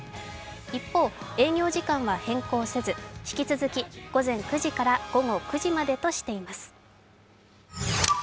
一方、営業時間は変更せず、引き続き午前９時から午後９時までとしています。